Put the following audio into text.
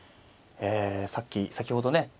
えさっき先ほどね